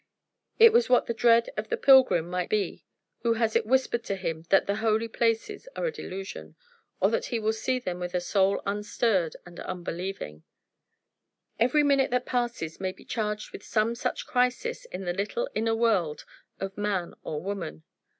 It was what the dread of the pilgrim might be who has it whispered to him that the holy places are a delusion, or that he will see them with a soul unstirred and unbelieving. Every minute that passes may be charged with some such crisis in the little inner world of man or woman.